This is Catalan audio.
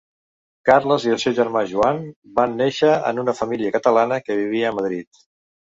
Carles i el seu germà Joan van néixer a una família catalana que vivia a Madrid.